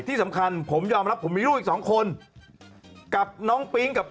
ที่สำคัญผมยอมรับผมมีลูกอีกสองคนกับน้องปิ๊งกับ